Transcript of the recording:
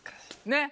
ねっ。